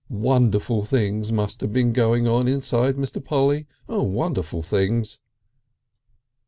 Wonderful things must have been going on inside Mr. Polly. Oh! wonderful things.